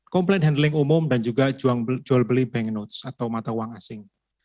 komplain handling umum dan juga jual beli bank notes atau mata uang asing